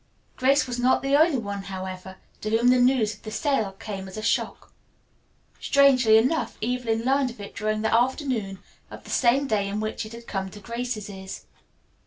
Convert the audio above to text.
Grace was not the only one, however, to whom the news of the sale came as a shock. Strangely enough Evelyn learned of it during the afternoon of the same day in which it had come to Grace's ears.